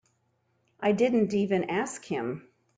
I didn't even ask him.